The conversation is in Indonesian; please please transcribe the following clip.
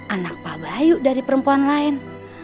anak pak bayu dari perempuan lain